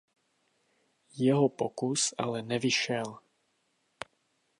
Jeho pokus ale nevyšel.